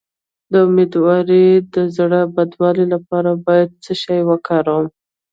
د امیدوارۍ د زړه بدوالي لپاره باید څه شی وکاروم؟